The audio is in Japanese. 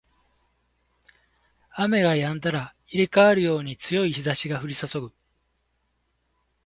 雨が止んだら入れ替わるように強い日差しが降りそそぐ